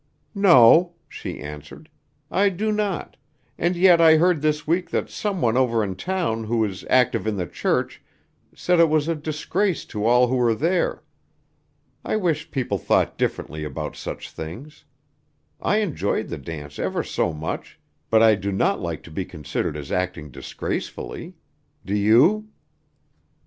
"No," she answered, "I do not; and yet I heard this week that some one over in town who is active in the church said it was a disgrace to all who were there. I wish people thought differently about such things. I enjoyed the dance ever so much, but I do not like to be considered as acting disgracefully. Do you?"